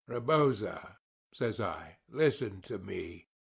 "Rebosa," says I, "listen to me.